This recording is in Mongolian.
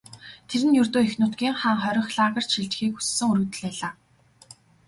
Тэр нь ердөө эх нутгийнхаа хорих лагерьт шилжихийг хүссэн өргөдөл байлаа.